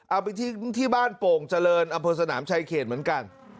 เอาไปที่บ้านโป่งเจริญอำเภอสนามชายเขตเหมือนกัน